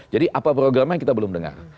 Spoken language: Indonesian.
jadi apa programnya kita belum dengar